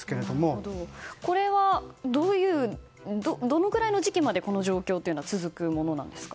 これは、どのくらいの時期までこの状況は続くものなんですか？